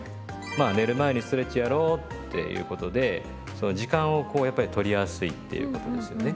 まあ寝る前にストレッチやろうっていうことでその時間をこうやっぱり取りやすいっていうことですよね。